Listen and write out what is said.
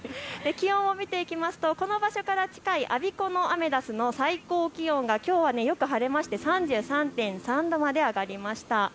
気温を見ていくとこの場所から近い我孫子のアメダスの気温はきょうはよく晴れて３３度まで上がりました。